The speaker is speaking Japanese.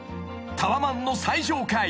タワマンの最上階］